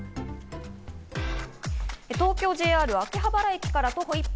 東京・ＪＲ秋葉原駅から徒歩１分。